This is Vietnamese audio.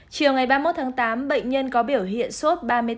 chiều ngày ba mươi một tháng tám bệnh nhân có biểu hiện suốt ba mươi tám năm